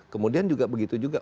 kemudian juga begitu juga